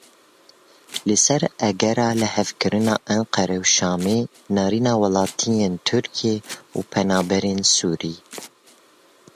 Li ser egera lihevkirina Enqere û Şamê nêrîna welatiyên Tirkiyê û penaberên Sûrî.